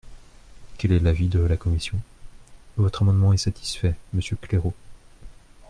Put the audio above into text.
Quel est l’avis de la commission ? Votre amendement est satisfait, monsieur Claireaux.